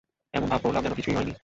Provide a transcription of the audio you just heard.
এমন ভাব করলাম যেন কিছুই হয়নি।